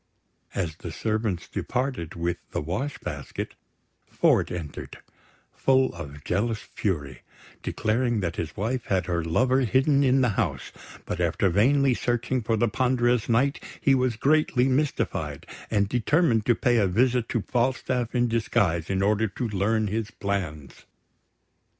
As the servants departed with the wash basket, Ford entered, full of jealous fury, declaring that his wife had her lover hidden in the house; but after vainly searching for the ponderous Knight, he was greatly mystified, and determined to pay a visit to Falstaff in disguise, in order to learn his plans.